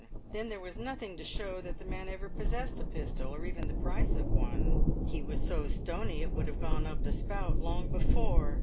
Then there was nothing to show that the man ever possessed a pistol, or even the price of one; he was so stony it would have gone up the spout long before.